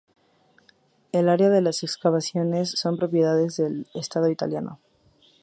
El área de las excavaciones son propiedades del Estado Italiano.